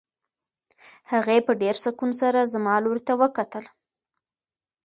هغې په ډېر سکون سره زما لوري ته وکتل.